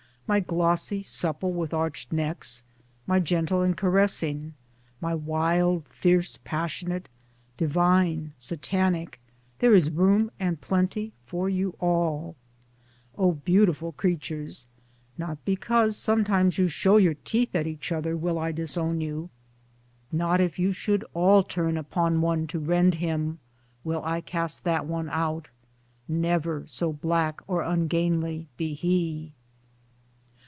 my glossy, supple, with arched Towards Democracy 99 necks, my gentle and caressing, my wild, fierce, passionate — divine, satanic — there is room, and plenty, for you all ! O beautiful creatures ! not because sometimes you show your teeth at each other will I disown you ; not if you should all turn upon one to rend him, will I cast that one out — never so black or ungainly be he.